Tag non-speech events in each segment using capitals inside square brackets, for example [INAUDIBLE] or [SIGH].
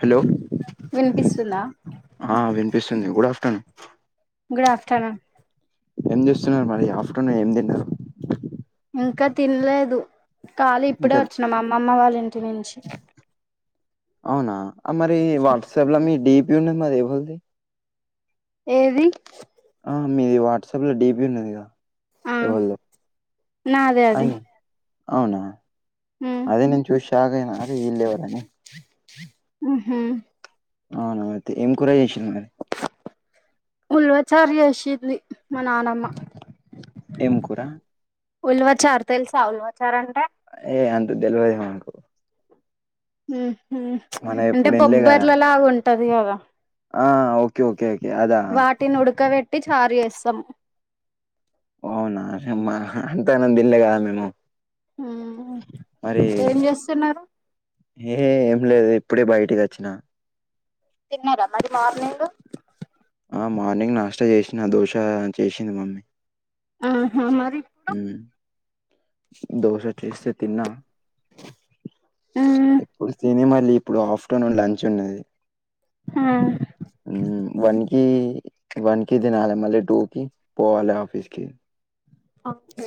Hello వినిపిస్తుందా ఆ వినిపిస్తుంది గుడ్ ఆఫ్టర్నూ గుడ్ ఆఫ్టర్నూన్ ఏం చేస్తున్నారు మరి ఆఫ్టర్నూన్ ఏం తిన్నారు ఇంకా తినలేదు ఖాళీ ఇప్పుడే ఇంకా వచ్చినా మా అమ్మమ్మ వాళ్ళ ఇంటి నుంచి అవునా అ మరి వాట్సప్ లో మీ డి పి ఉన్నది మది ఎవళిది ఏది ఆ మీది వాట్సాప్ లో డి పి ఉన్నది కదా ఆ ఎవళదో నాదే అది అని అవునా అదే నేను చూసి షాక్ అయినా అరే ఈళ్ళు ఎవరని ఊహూ అవునా ఐతే ఏం కుర చేసింది మరి ఉల్వచారు చేషింది మా నానమ్మ ఏం కూర ఉల్వచారు తెలుసా ఉల్వచారు అంటే ఏ అంత తెల్వది మాకు ఊహూ మనం ఎప్పుడు అంటే తినలే కదా బొబ్బర్ల లాగా ఉంటది కదా ఆ ఓకే ఓకే ఓకే అదా వాటిని ఉడకబెట్టి చారు చేస్తాం అవునా [INAUDIBLE] ఎంతైనా దినలే కదా మేము హుమ్ ఏం చేస్తున్నారు ఏహే ఏం లేదు ఇప్పుడే బయటకి వచ్చినా తిన్నారా మరి మార్నింగు ఆ మార్నింగ్ నాష్టా చేసినా దోశ చేసింది మమ్మీ ఊహూ మరి ఇప్పుడు ఉ దోస చేస్తే తిన్న ఉమ్ ఇప్పుడు సినిమలి ఇప్పుడు ఆఫ్టర్నూన్ లంచ్ ఉన్నది ఉమ్ వన్ కి వన్ కి తినాలె మళ్లీ టూ కి పోవాలె ఆఫీస్ కి కే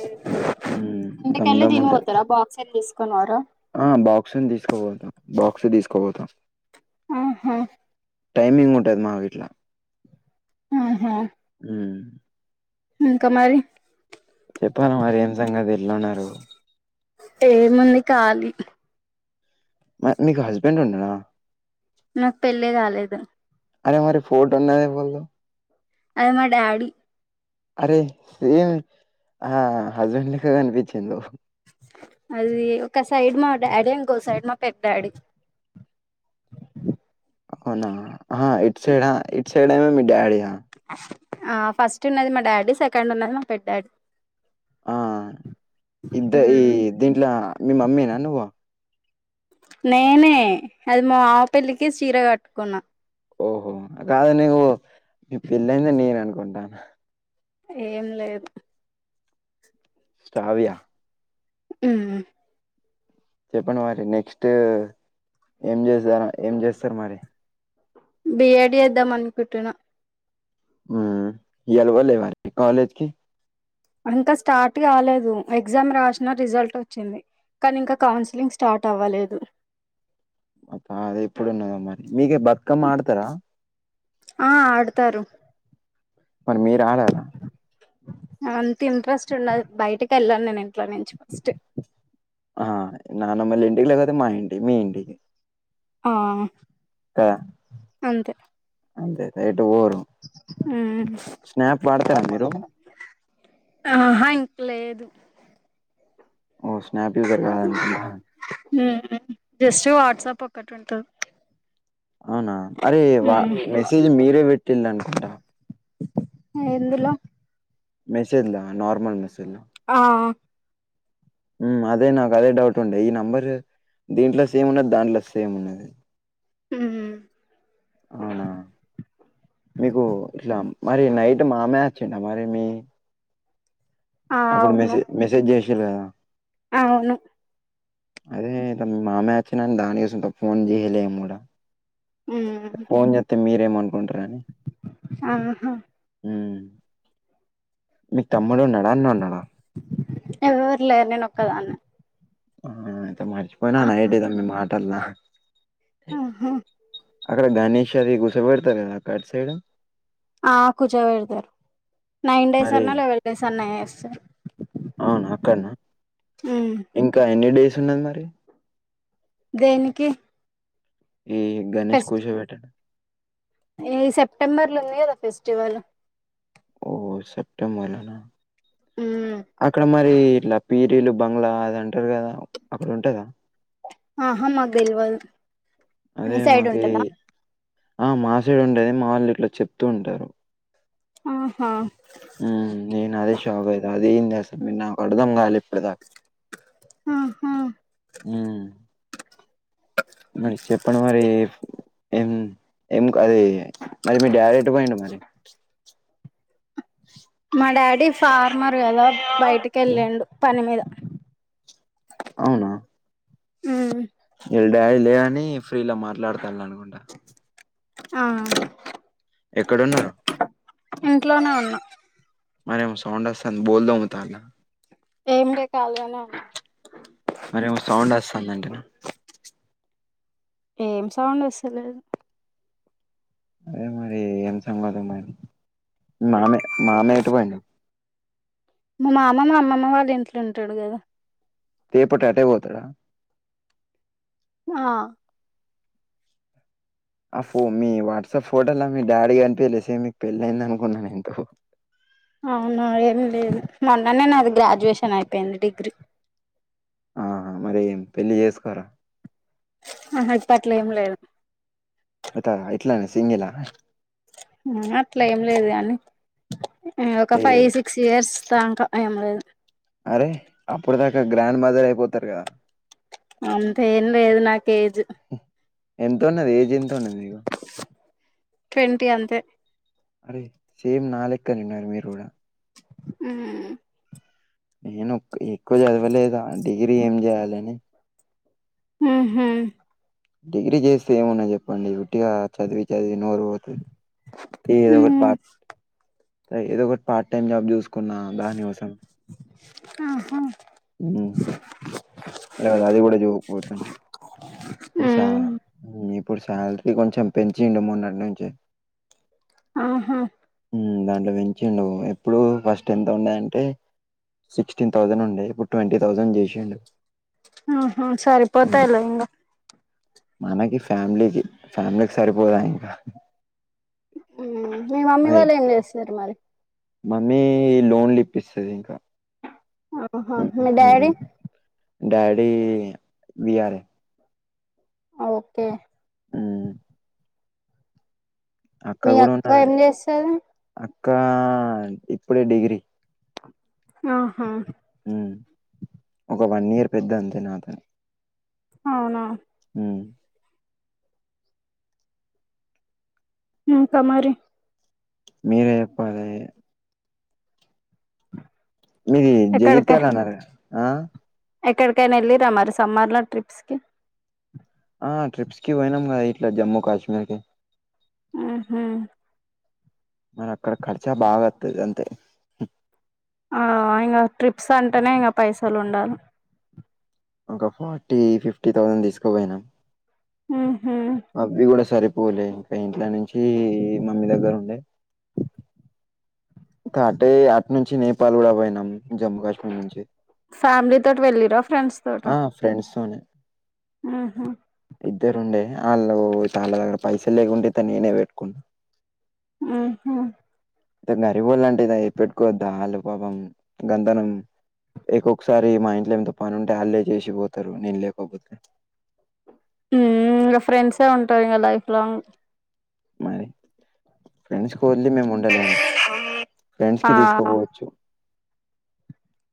హ్మ్. దమ్ ఇందుకెళ్ళి దమ్ ఉంటది. తినిపోతారా బాక్స్ తీసుకుొ వార ఓకే ఇంటికి వె ఆ బాక్సులు తీసుకోపోతాం బాక్స్ తీసుకోపోతాం ఉహా టైమింగ్ ఉంటది మాకిట్ల ఆహా ఉ ఇంకా మరి చెప్పాలి మరి ఏం సంగతి ఎట్లా ఉన్నారు ఏమైంది కాలిక్ మీకు హస్బెండ్ ఉన్నారా నాకు పెళ్లి కాలేదు అరే మారి ఫోటో ఉన్నది ఎవలో అది మా డాడీ అరే సేమ్ ఆ హస్బెండ్ లెక్క కనిపించిండు అది ఒక సైడ్ మా డాడీ ఇంకో సైడ్ మా పెద్ద డాడీ అవునా ఆ ఇటు సైడ్ ఆ ఇటు సైడ్ మీ డాడీ ఆ ఆ ఫస్ట్ ఉన్నది మా డాడీ సెకండ్ ఉన్నది మా పెద్ద డాడీ ఆ ఇద్ద ఈ ఉమ్ దీంట్లో మీ మమ్మీ నా నువ్వు నేనే అది మా మామ పెళ్లికి చీర కట్టుకున్న ఓహో కాదునీవు మీ పెిళ్లైంది నేను అనుకుంటాను క ఓహో కాదా కాదనేవో కాదనేవో ఏం లేదు సారీ యా ఉ చెప్పండి మరి నెక్స్ట్ ఏం జేస్తను ఏం చేస్తారు మరి బిఎడ్ చేద్దాం అనుకుంటున్నా ఉ ఇయ్యాల ఎవరు లేవారా కాలేజకి ఇంకా స్టార్ట్ గాలేదు ఎగ్జామ్ రాసిన రిజల్ట్ వచ్చింది కానీ ఇంకా కౌన్సిలింగ్ స్టార్ట్ అవ్వలేదు అబ్బా అదే ఎప్పుడు ఉన్నదో మరి మీకే బతుకమ్మ ఆడతారా ఆ ఆడతారు మరి మీరు ఆడరా అంత ఇంట్రెస్ట్ ఉండదు బయటికి వెళ్ళాను నేను ఇంట్లో నుంచి ఫస్ట్ ఆ నానమ్మ లెండి లెగవదు మా ఇంటి మీ ఇంటికి ఆ తా అంతే రైట్ బోడు ఉ మీరు? ఆహా ఇంకా లేదు ఓహ్! స్నాప్ యూజర్ కాదనుకుంటా. ఉ జస్ట్ వాట్సాప్ ఒకటి ఉంటది అవునా అరే వా మ్మ్ మెసేజ్ మీరే పెట్టిండు అనుకుంటా ఎందులో మెసేజ్ లో నార్మల్ మెసేజ్ లో ఆ అదే నాకు అదే డౌట్ ఉండే ఈ నెంబర్ దీంట్లో సేమ్ ఉన్నది దాంట్లో సేమ్ ఉన్నది ఉమ్ అవునా మీకు ఇట్లా మరి నైట్ మామే వచ్చిండ మరి మీ ఆ అప్పుడు అవును మెసే మెసజ్షిల్లు కదా అవును అదే మామయ్య దాని అచ్చిండని దానికోసం ఫోన్ చేయలేము ఉమ్ ఫోన్ చేస్తే మీరేమనుకుంటారని ఆహా మీకు తమ్ముడు ఉన్నాడా అన్న ఉన్నాడా ఎవ్వరు లేరు నే ఒక్కదాన్నే ఆ అయితే మర్చిపోయినా ఆహా నైట్ద మాటల్ల ఆహా అక్కడ గణేష్ అది కూసో పెడతారు కదా అటు సైడ్ ఆ కూర్చో పెడతారు నైన్ డేస్ మరి అన్నా లెవెల్ డేస్ అన్నా చేస్తారు అక్కనా మ్మ్ ఇంకా ఎన్ని డేస్ ఉన్నది మరి దేనికి ఈ గణేష్ కూర్చోపెట్టడం ఏ సెప్టెంబర్ లో లేదా ఫెస్టివల్ ఓ సెప్టెంబర్ లనా మ్మ్ అక్కడ మ రి ఇట్లా పీరిలు బంగ్లా అది అంటారు కదా అక్కడ ఉంటదా ఆహ మా తెల్వద్ అదే మాకి ఆ మా సైడు ఉండేది మా వాళ్ళు ఇట్లా చెప్తూ ఉంటారు ఆహా ఉమ్ నేను అదే షాక్ అయిత అదే ఏంది అసలు మీరు నాకు అర్థం కాలే ఇప్పుడు దాకా ఆహా ఉమ్ మరి చెప్పండి మరి ఏం ఏం అది మరి మీ డాడీ ఎటు పోయిండు మరి మా డాడీ ఫార్మర్ కదా బయటికి ఎల్లిండు పని మీద అవునా ఆ వీళ్ళ డాడి లేడని ఫ్రీలో మాట్లాడతానానుకుంటా ఆ ఎక్కడన్నారు ఇంట్లోనే ఉన్నా మరేమో సౌండ్ వస్తాంది బోళ్ళు తోమ్తాలా ఏమి లేదు ఖాళీగానే ఉన్నా మరేమో సౌండ్ వస్తుందంటేనా ఏం సౌండ్ వస్తలేదు అదే మరి ఏం సంగతి మరి మామ మామయ్య ఎటు పోయిండు మా మామ మా అమ్మమ్మ వాళ్ళ ఇంట్లో ఉంటాడు కదా తేపటు అటే పోతాడా ఆ ఆ ఫో మీ వాట్సాప్ ఫోటోలా మీ డాడీ కనిపియలే సేమ్ మీకు పెళ్ళయింది అనుకున్నా ఎంతో అవును ఏం లేదు మొన్ననే నాది గ్రాడ్యుయేషన్ అయిపోయింది డిగ్రీ ఆహా మరింపెళ్ళి చేసుకోరా అహా ఇప్పట్లా ఏం లేదు అతే ఇట్లానే సింగేలా అట్లా ఏం లేదు కానీ ఒక ఫైవ్ లేదు సిక్స్ ఇయర్స్ తాక ఏం లేదు అరే అప్పుడుదాకా గ్రాండ్ మదర్ అయిపోతారు కదా అంతేేం లేదు నాకేజ్ ఎంత ఉన్నది ఏజ్ ఎంత ఉన్నది ఇగ ట్వంటీ అంతే అరే సేమ్ నాలెక్కని ఉన్నారు మీరు కూడా ఉ నేను ఎక్కువ చదవలేదు డిగ్రీ ఏం చేయ్యాలని ఉహు డిగ్రీ చేస్తే ఏమున్నా చెప్పండి గుట్టిగా చదివి నోరు పోతుదో ఒక ఉమ్ పాట్ స ఏదో ఒకటి పార్ట్ టైమ్ జాబ్ చూసుకున్నా దానికోసం ఆహ ఉ అది కూడా చూవకపోతుంది ఇప్పుడు ఉమ్ ఇప్పుడు శాలరీ కొంచెం పెంచిండు మొన్నటి నుంచి ఆహా దాంట్లో పెంచిండు ఎప్పుడు ఫస్ట్ ఎంత ఉండయంటే సిక్స్టీన్ థౌజండ్ ఉండే ఇప్పుడు ట్వంటీ థౌజండ్ చేసండు ఆ సరి పోతాయిలే ఇంగ మనకి ఫ్యామిలీకి ఫ్యామిలీకి సరిపోదా ఇంకా మీ మమ్మీ మరి వాళ్ళు ఏం చేస్తారు మరి మమ్మీ లోన్ లిప్పిస్తుది ఇంకా ఆహా మీ ఉమ్, డాడీ డాడీ వీఆర్ఏ ఓకే ఉ అక్క మీ కూడా ఉన్నది ఏం చేస్తది అక్క ఇప్పుడే డిగ్రీ ఆహా ఒక వన్ ఇయర్ పెద్ద అంతే నాకు అవునా హ ఇంకా మరి మీరే చెప్పాలి మీది ఎక్కడిక జగిత్యాల అన్నారు ఆ ఎక్కడికైనా వెళ్ళిరా మరి సమ్మర్లో ట్రిప్స్కి ఆ ట్రిప్స్ కి పోయినాం కదా ఇట్లా జమ్మూ కాశ్మీర్ కి ఆహ మన అక్కడ ఖర్చా బాగొత్తది అంతే ఆ ఇంకా ట్రిప్స్ అంటేనే ఇంకా పైసలు ఉండాలి ఒక ఫార్టీ ఫిఫ్టీ థౌజండ్ తీసుకుపోయినాం ఉహు అవి కూడా సరి పూలే ఇంకా ఇంట్లో నుంచి మమ్మీ దగ్గర ఉండే తె అటే అట్నుంచి నేపాల్ కూడా పోయినాం జమ్మూ కాశ్మీర్ నుంచి ఫ్యామిలీ తోటి వెళ్ళిరా ఫ్రెండ్స్ తోట ఆ ఫ్రెండ్స్ తోనే ఆహా ఇద్దరు ఉండే అళ్ళు చాలా దగ్గర పైసలు లేకుంటే త నేనే పెట్టుకున్నా మ్మ్ఉమ్మ్ ఇంత గరీబోలంటే ఇదై పెట్టుకోవద్దా ఆలు పాపం గంతనం ఎకొక్కసారి మా ఇంట్లో ఎంత పనుంటే అళ్ళే చేసిపోతారు నేను లేకపోతే ఉమ్మ్ ఇంగ ఫ్రెండ్సే ఉంటారు ఇంగా లైఫ్ లాంగ్ మరి ఫ్రెండ్స్‌కి వదిలి మేము ఉండలేము ఫ్రెండ్స్‌కి ఆ తీసుకపోవచ్చు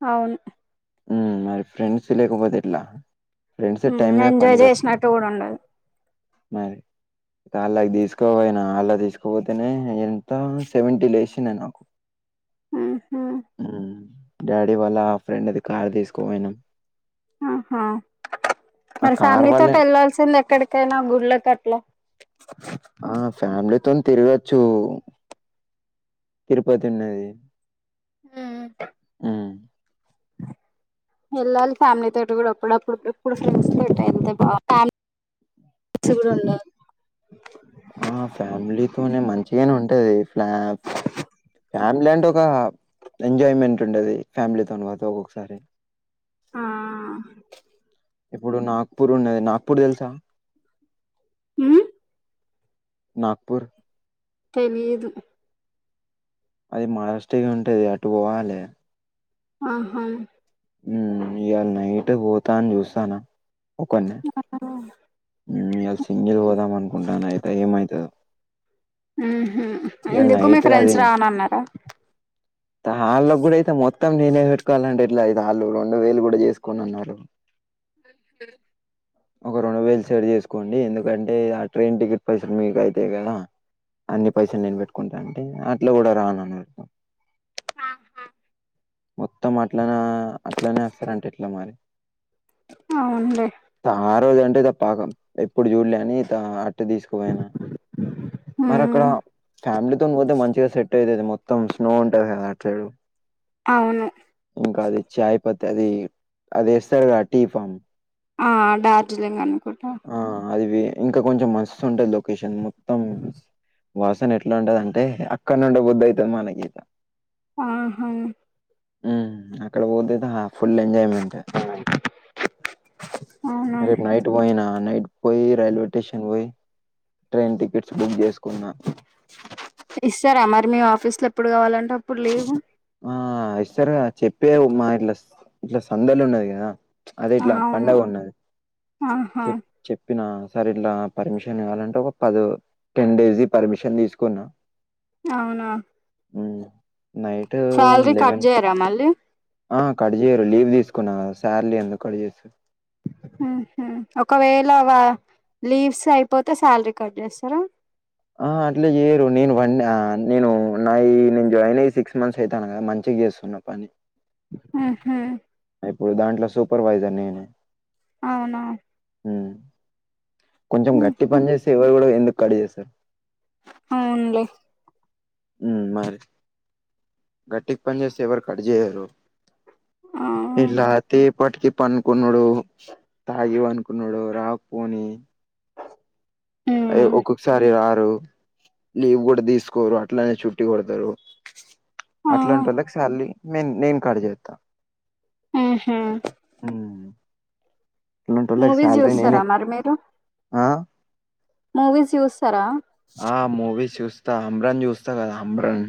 అవును ఉమ్మ్ మరి ఫ్రెండ్స్ లేకపోతే ఎట్లా ఫ్రెండ్సే టైం మీద ఎంజాయ్ పనికొసాయ్ చేసినట్టు కూడా ఉండదు మరి అళ్లకి తీసుకోపోయినా అళ్లా తీసుకోపోతేనే ఎంత సెవెంటీ లేసినా నాకు ఆహా ఉమ్మ్ డాడీ వాళ్ళ ఫ్రెండ్‌ది కారు తీసుకుపోయినం ఆహా ఆ మరి కార్ ఫ్యామిలీ వాళ్ళే తోటి ఎళ్ళల్సింది ఎక్కడి కైనా గుళ్ళకట్లా ఆ ఫ్యామిలీతోని తిరగచ్చు తిరుపతి ఉన్నది ఉమ్మ్ హ్మ్. ఎళ్లాలి ఫ్యామిలీ తోటి కూడా అప్పుడప్పుడు ఎప్పుడు ఫ్రెండ్స్ తోటే ఎళ్తే బా ఫ్యా కూడా ఉండాలి ఆ ఫ్యామిలీతోనే మంచిగానే ఉంటది ఫ్యా ఫ్యామిలీ అంటే ఒక ఎంజాయ్మెంట్ ఉండది ఫ్యామిలీతోన పోతే ఒక్కొక్కసారి ఆ ఇప్పుడు నాగ్పూర్ ఉన్నది నాగ్పూర్ తెలుసా ఉమ్ నాగ్పూర్ తెలీదు అది మారస్టే ఉంటది అటు పోవాలి ఆహా ఉమ్మ్ ఇయాళా నైట్ పోతా అని చూస్తాన ఒకన్నే ఒక్కడే ఉమ్మ్ ఇయాళా సింగిల్ పోదాం అనుకుంటాన అయితే ఏమయితదో మ్మ్ఉహ్మ్ ఎందుకు మీ నైట్ ఫ్రెండ్స్ రానన్నారా త అళ్ళకి కూడా అయితే మొత్తం నేనే పెట్టుకోవాలంటే ఎట్లా ఇతే అళ్ళు రెండు వేలు కూడా చేసుకోను అన్నారు [INAUDIBLE] ఒక రెండు వేలు సెట్ చేసుకోండి ఎందుకంటే ఇగ ట్రైన్ టికెట్ పైసలు మీకే అయితయి కదా అన్ని పైసలు నేను పెట్టుకుంటా అంటే అట్ల కూడా రాను అన్నారు మొత్తం అట్లనే అట్లనే అస్తారంటే ఎట్లా మరి అవున్లే ఆ రోజంటే ఇగ పాకం ఎప్పుడు చూడ్లే అని త అట్టు తీసుకుపోయినా మరి ఉమ్ అక్కడ ఫ్యామిలీతోని పోతే మంచిగా సెట్ అయితది మొత్తం స్నో ఉంటది కదా అటు సైడ్ అవును ఇంకా అది చాయ్ పత్ అది అది ఏస్తారు కదా టీ ఫామ్ ఆ డార్జిలింగ్ అనుకుంటా ఆ అది వే ఇంకా కొంచెం మస్తుంటది లొకేషన్ మొత్తం వాసనేట్లా ఉండదంటే అక్కడ్నే ఉండ బుద్దయితది మనకి ఆహా మ్ అక్కడ పోతే అయితే హా ఫుల్ ఎంజాయ్మెంట్ మనక్ రేపు నైట్ ట్ పోయినా నైట్ పోయి రైల్వే స్టేషన్ పోయి ట్రైన్ టికెట్స్ బుక్ చేసుకున్నా ఇస్తారా మరి మీ ఆఫీస్ లో ఎప్పుడు కావాలంటే అప్పుడు లీవ్ ఆ ఇస్తారరు కదా చెప్పే మా ఇట్లా ఇట్లా సందలు ఉన్నది కదా అదే ఇట్లా అవును పండగున్నది ఆహా చెప్ చెప్పినా సర్ ఇట్లా పర్మిషన్ ఇవ్వాలంటే ఒక పద్ టెన్ డేస్జ్ పర్మిషన్ తీసుకున్నా అవునా మ్ నైట్ శాలరీ కట్ లెవన్ చేయరా మళ్ళీ ఆ కట్ చేయరు లీవ్ తీసుకున్నా కదా సార్లీ ఎందుకు కట్ చేస్తరు మ్ హు ఒకవేళ వ లీవ్స్ అయిపోతే శాలరీ కట్ చేస్తారా ఆ అట్లే చేయరు నేను వన్ నేను నాయి నేను జాయిన్ అయ్యి సిక్స్ మంత్స్ అయితాంది గ మంచిగా చేస్ స్తున్న పని ఆహా ఇప్పుడు దాంట్లో సూపర్వైజర్ నీను అవునా మ్ కొంచెం గట్టి ఉహు పని చేస్తే ఎవరు కూడా ఎందుకు కట్ చేస్తారు అవున్లే మ్ మరి గట్టిగ పన్ చేస్తే ఎవరు కట్ చేయరు ఆ ఇలతే ఎప్పటికి పనుకున్నాడు తాగి పండుకునుడు రాకపోని అ ఉమ్ ఒక్కొక్కసారి రారు లీవ్ కూడా తీసుకోరు అట్లనే చుట్టి కొడతారు ఆ అట్లాంటి వాళ్ళకి శాలరీ నే నేను కట్ చేత్త ఆహా ఆలంటోళ్ళకి మూవీస్ సాలరీ నేనే చూస్తారా మరి మీరు ఆ మూవీస్ చూస్తారా ఆ మూవీస్ చూస్తా అమ్రాన్ చూస్తా కదా అమ్రాన్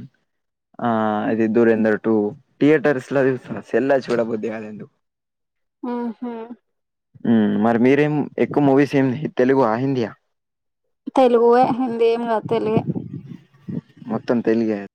ఆ అది దూరంధర్ టూ థియేటర్స్ లా చూస్త సెల్ లా చూడబుద్ది కాదు ఎంద్ ఆహా మ్ మరి మీరేం ఎక్కువ మూవీస్ ఏందీ తెలుగు ఆ హిందీయా తెలుగుయే హిందీ ఏం కాద్ తెలుగే మొత్తం తెలుగే